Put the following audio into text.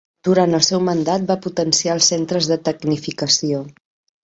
Durant el seu mandat va potenciar els Centres de Tecnificació.